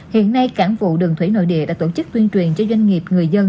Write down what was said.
hiện nay cảng vụ đường thủy nội địa đã tổ chức tuyên truyền cho doanh nghiệp người dân